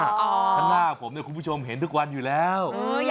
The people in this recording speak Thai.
ข้างหน้าผมเนี่ยคุณผู้ชมเห็นทุกวันอยู่แล้ว